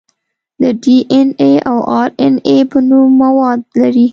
د ډي ان اې او ار ان اې په نوم مواد لري.